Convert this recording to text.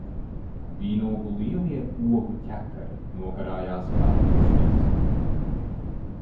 Vīnogu lielie ogu ķekari nokarājās kā lustras.